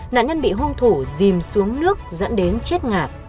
nạn nhân bị hôn thủ dìm xuống nước dẫn đến chết ngạt